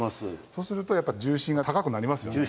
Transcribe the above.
そうするとやっぱ重心が高くなりますよね。